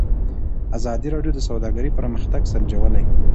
ازادي راډیو د سوداګري پرمختګ سنجولی.